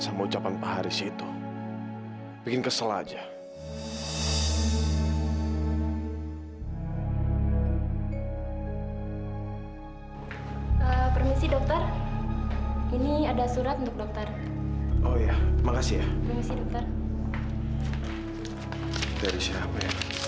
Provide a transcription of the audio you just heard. kamil kamu suruh suruh ke sini ada apa